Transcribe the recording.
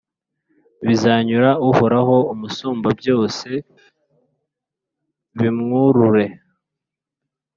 bizanyura Uhoraho Umusumbabyose, bimwurure»